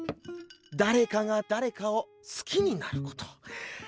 誰かが誰かを好きになること。